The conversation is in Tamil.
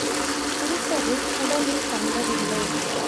குடித்தது குடலில் தங்கவில்லை.